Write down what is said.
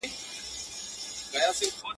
خوله يا د ولي ده، يا د ناولي.